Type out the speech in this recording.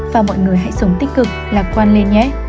và mọi người hãy sống tích cực lạc quan lên nhé